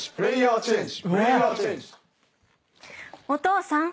お父さん。